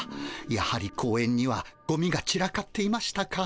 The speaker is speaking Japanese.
やはり公園にはゴミがちらかっていましたか。